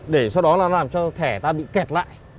để sau đó là làm cho thẻ ta bị kẹt lại